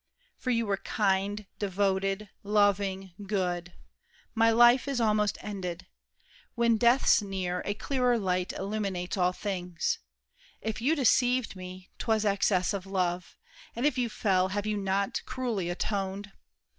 For you were kind, devoted, loving, good. My life is almost ended. When death's near A clearer light illuminates all things. If you deceived me, 'twas excess of love; And if you fell, have you not cruelly atoned?